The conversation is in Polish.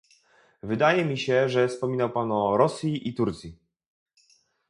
Wydaje mi się, ze wspomniał pan o Rosji i Turcji